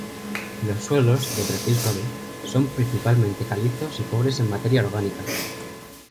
Los suelos, de perfil suave, son principalmente calizos y pobres en materia orgánica.